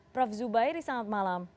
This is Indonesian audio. prof zubairi selamat malam